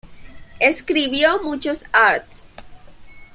Escribió muchos Arts.